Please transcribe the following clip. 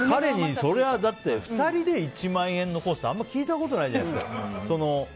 そりゃ２人で１万円のコースってあんまり聞いたことないじゃないですか。